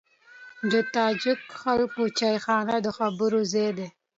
د تاجک خلکو چایخانه د خبرو ځای دی.